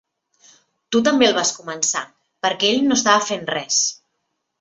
Tu també el vas començar, perquè ell no estava fent res.